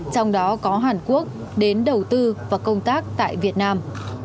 trong đó có hàn quốc đến đầu tư và công tác tại việt nam